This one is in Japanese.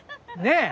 ねえ！